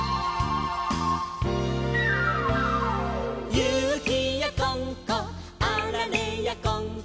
「ゆきやこんこあられやこんこ」